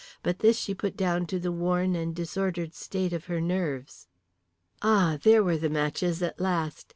But this she put down to the worn and disordered state of her nerves. Ah, there were the matches at last.